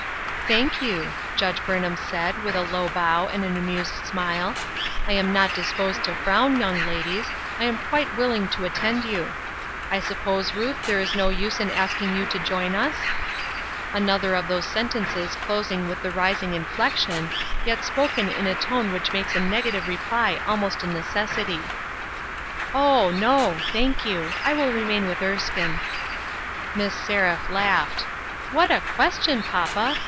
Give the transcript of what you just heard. "Thank you, " Judge Burnham said, with a low bow, and an amused smile. "I am not disposed to frown, young ladies ; I am quite willing to attend you. I suppose, Ruth, there is no use in asking you to join us ?" Another of those sentences closing with the rising inflection, yet spoken in a tone which makes a negative reply almost a necessity. " O, no! thank you. I will remain with Erskine." Miss Seraph laughed. " What a question, papa